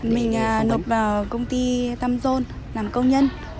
mình nộp vào công ty tam jon làm công nhân